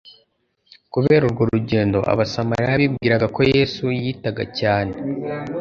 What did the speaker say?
Kubera urwo mgendo, abasamaliya bibwiraga ko Yesu yitaga cyane